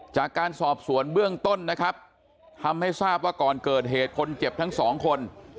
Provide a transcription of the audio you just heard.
จากการสอบสวนเบื้องต้นนะครับทำให้ทราบว่าก่อนเกิดเหตุคนเจ็บทั้งสองคน